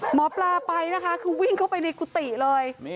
หมอปลาไปนะคะคือวิ่งเข้าไปในกุฏิเลย